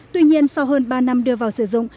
tuy nhiên sau hơn ba năm đưa vào sử dụng